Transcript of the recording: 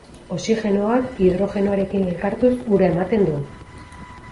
Oxigenoak, hidrogenoarekin elkartuz, ura ematen du.